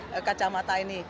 dan juga dengan kacamata ini